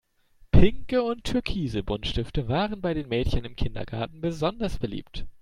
Pinke und türkise Buntstifte waren bei den Mädchen im Kindergarten besonders beliebt.